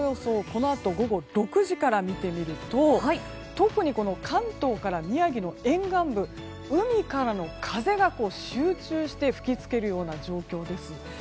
このあと午後６時から見てみると特に関東から宮城の沿岸部海からの風が集中して吹き付けるような状況です。